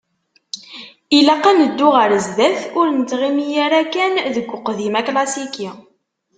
Ilaq, ad neddu ɣer sdat, ur nettɣimi ara kan deg uqdim aklasiki.